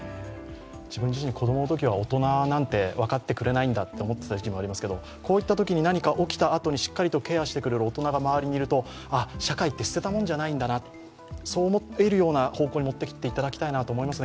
自分自身、子供のときは大人なんて分かってくれないと思ったときありましたけどこういったときに何か起きたあとに、しっかりとケアしてくれる大人が周りにいると、社会って捨てたもんじゃないんだな、そう思えるような方向に持っていただきたいと思いますね。